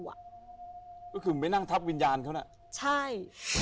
ก็คือไม่นั่งทับวิญญาณเขาน่ะใช่